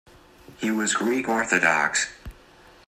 He was Greek Orthodox.